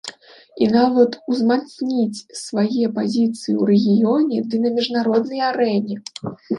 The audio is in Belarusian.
І нават узмацніць свае пазіцыі ў рэгіёне ды на міжнароднай арэне.